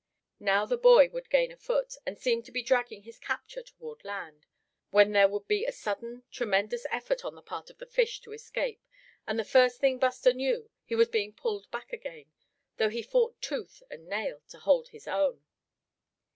Now the boy would gain a foot, and seem to be dragging his capture toward land; when there would be a sudden tremendous effort on the part of the fish to escape, and the first thing Buster knew, he was being pulled back again, though he fought tooth and nail to hold his own.